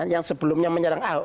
yang sebelumnya menyerang ahok